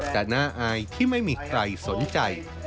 แต่น่าอายที่ไม่มีใครสนใจ